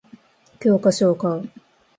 教科書を買う